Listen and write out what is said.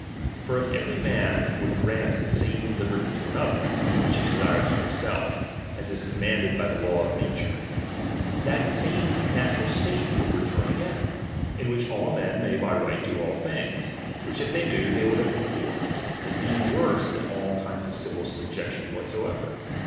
For if eveiy man would grant the ' I same liberty to another, which he desires for him I self, as is commanded by the law of nature ; that I same natural state would return again, in which I all men may by right do all things ; which if they I knew , they would abhor, as being worse than all I kinds of civil subjection whatsoever.